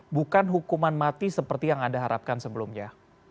bukan hukuman mati seperti yang anda harapkan sebelumnya